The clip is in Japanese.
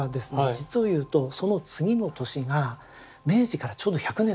実を言うとその次の年が明治からちょうど１００年だったんですよ。